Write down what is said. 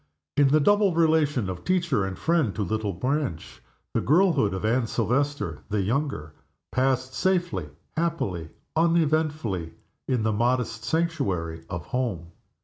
In the double relation of teacher and friend to little Blanche, the girlhood of Anne Silvester the younger passed safely, happily, uneventfully, in the modest sanctuary of home.